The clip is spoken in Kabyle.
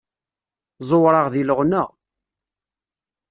Ẓewreɣ deg leɣna.